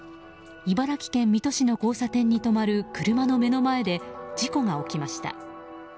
茨城県水戸市の交差点に止まる車の目の前で事故が起きました。